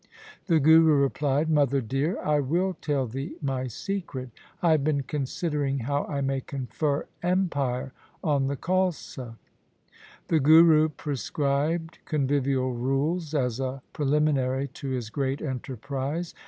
The Guru replied, ' Mother dear, I will tell thee my secret. I have been considering how I may confer empire on the Khalsa.' The Guru prescribed convivial rules as a pre liminary to his great enterprise.